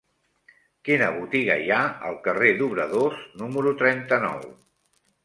Quina botiga hi ha al carrer d'Obradors número trenta-nou?